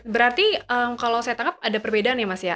berarti kalau saya tangkap ada perbedaan ya mas ya